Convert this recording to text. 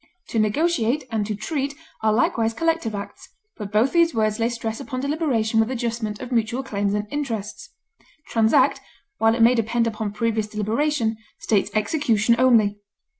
To negotiate and to treat are likewise collective acts, but both these words lay stress upon deliberation with adjustment of mutual claims and interests; transact, while it may depend upon previous deliberation, states execution only.